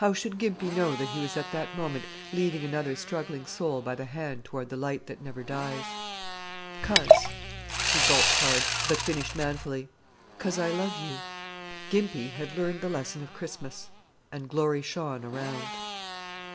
How should Gimpy know that he was at that moment leading another struggling soul by the hand toward the light that never dies? "'Cause," he gulped hard, but finished manfully "'cause I love you." Gimpy had learned the lesson of Christmas, "And glory shone around."